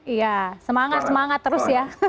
iya semangat semangat terus ya